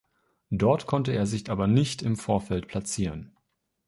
Dort konnte er sich aber nicht im Vorderfeld platzieren.